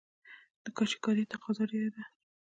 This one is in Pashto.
د کاشي کارۍ تقاضا ډیره ده